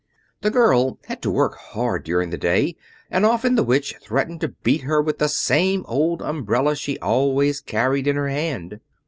The girl had to work hard during the day, and often the Witch threatened to beat her with the same old umbrella she always carried in her hand.